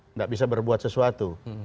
tidak bisa berbuat sesuatu